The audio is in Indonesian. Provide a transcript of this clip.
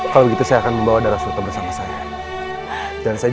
kalau gitu saya akan membawa darasulta bersama saya dan saya